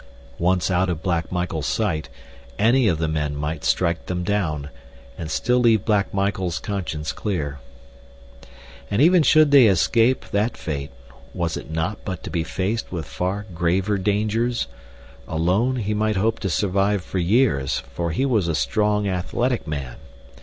Once out of Black Michael's sight any of the men might strike them down, and still leave Black Michael's conscience clear. And even should they escape that fate was it not but to be faced with far graver dangers? Alone, he might hope to survive for years; for he was a strong, athletic man.